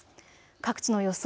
各地の予想